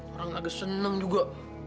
orang agak seneng juga